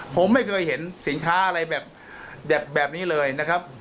ผมไม่เคยเห็นสินค้าอะไรแบบนี้เลยนะครับ